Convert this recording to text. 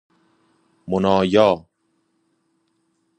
منایا